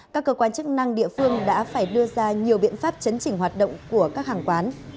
các cơ quan chức năng địa phương đã phải đưa ra nhiều biện pháp chấn chỉnh hoạt động của các hàng quán